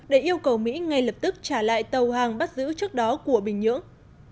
để yêu cầu mỹ ngay lập tức trả lại tàu hàng bắt giữ trước đó của bình nhưỡng